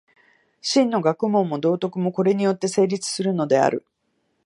真の学問も道徳も、これによって成立するのである。